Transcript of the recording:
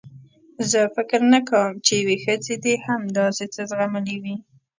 زه فکر نه کوم چې یوې ښځې دې هم داسې څه زغملي وي.